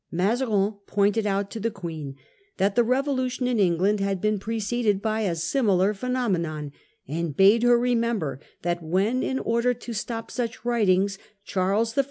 Mazarin pointed out to the Queen that the revolution in England had been preceded by a similar phenomenon, and bade her remember that when, in order to stop such writings, Charles I.